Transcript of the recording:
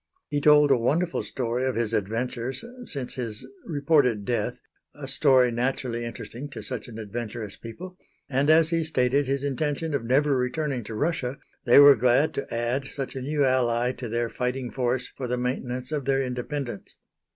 He told a wonderful story of his adventures since his reported death a story naturally interesting to such an adventurous people; and as he stated his intention of never returning to Russia, they were glad to add such a new ally to their fighting force for the maintenance of their independence.